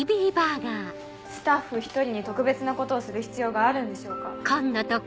スタッフ１人に特別なことをする必要があるんでしょうか？